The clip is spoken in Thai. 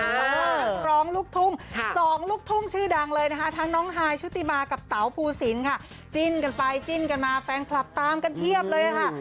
เพราะว่านักร้องลูกทุ่ง๒ลูกทุ่งชื่อดังเลยนะคะทั้งน้องฮายชุติมากับเต๋าภูสินค่ะจิ้นกันไปจิ้นกันมาแฟนคลับตามกันเพียบเลยค่ะ